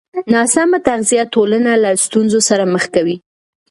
ناسمه تغذیه ټولنه له ستونزو سره مخ کوي.